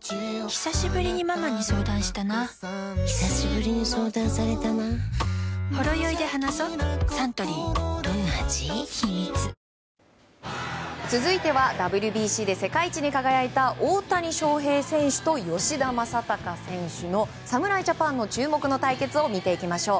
ひさしぶりにママに相談したなひさしぶりに相談されたな続いてはＷＢＣで世界一に輝いた大谷翔平選手と吉田正尚選手の侍ジャパンの注目の対決を見ていきましょう。